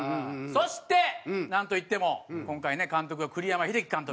そしてなんといっても今回ね監督が栗山英樹監督。